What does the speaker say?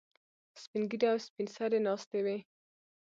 سپین ږیري او سپین سرې ناستې وي.